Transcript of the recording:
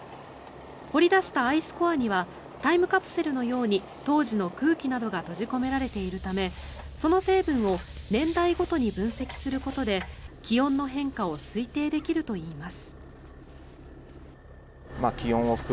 掘り出したアイスコアにはタイムカプセルのように当時の空気などが閉じ込められているためその成分を年代ごとに分析することで気温の変化を推定できるといいます。